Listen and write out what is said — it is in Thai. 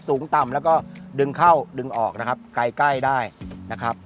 สูงต่ำแล้วก็ดึงเข้าดึงออกนะครับไกลใกล้ได้นะครับ